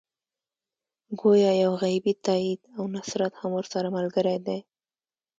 ګویا یو غیبي تایید او نصرت هم ورسره ملګری دی.